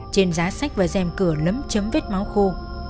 trên giá sách và dèm cửa lấm chấm vết máu khô